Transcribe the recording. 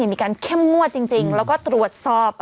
มีการเข้มงวดจริงแล้วก็ตรวจสอบ